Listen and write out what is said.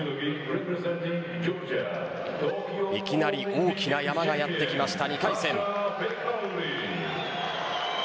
いきなり大きな山がやってきました